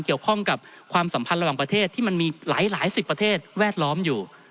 เกี่ยวข้องกับความสัมพันธ์ระหว่างประเทศที่มันมีหลายสิบประเทศแวดล้อมอยู่